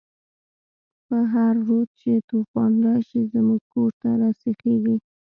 په هر رود چی توفان راشی، زمونږ کور ته راسیخیږی